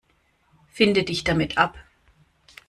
Finde dich damit ab.